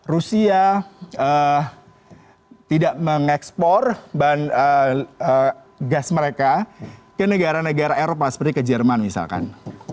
rusia tidak mengekspor gas mereka ke negara negara eropa seperti ke jerman misalkan